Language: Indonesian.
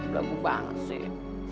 lagu banget sih